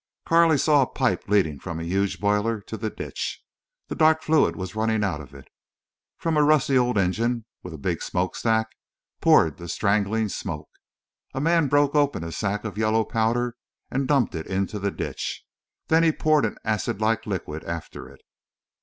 Carley saw a pipe leading from a huge boiler to the ditch. The dark fluid was running out of it. From a rusty old engine with big smokestack poured the strangling smoke. A man broke open a sack of yellow powder and dumped it into the ditch. Then he poured an acid like liquid after it.